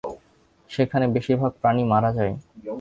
সেখানে বেশির ভাগ প্রাণী মারা যায়।